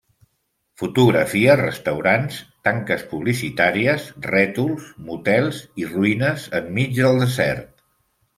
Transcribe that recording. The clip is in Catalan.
Fotografia restaurants, tanques publicitàries, rètols, motels i ruïnes en mig del desert.